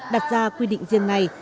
đặt ra quy định riêng này